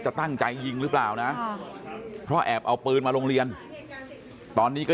ตั้งใจยิงหรือเปล่านะเพราะแอบเอาปืนมาโรงเรียนตอนนี้ก็